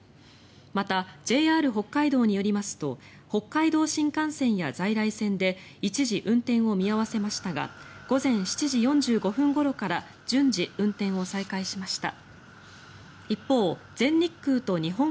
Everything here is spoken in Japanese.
また、ＪＲ北海道によりますと北海道新幹線や在来線で一時、運転を見合わせましたが午前７時４５分ごろから順次運転を再開しました。